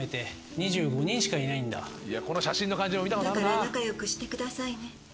だから仲良くしてくださいね。